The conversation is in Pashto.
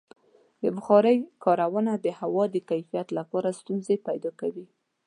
د بخارۍ کارونه د هوا د کیفیت لپاره ستونزې پیدا کوي.